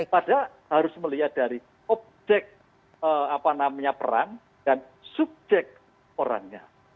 padahal harus melihat dari objek apa namanya perang dan subjek orangnya